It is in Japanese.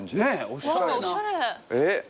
おしゃれな。